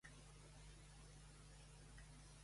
Està situat dins el Parc Natural de Grazalema.